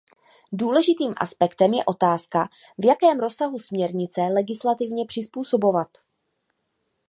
Důležitým aspektem je otázka, v jakém rozsahu směrnice legislativně přizpůsobovat.